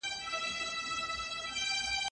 چې بې کوره ته کور ورکړو.